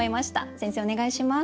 先生お願いします。